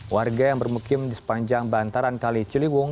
warga yang bermukim di sepanjang bantaran kali ciliwung